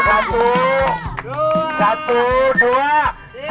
sebentar pak sebentar pak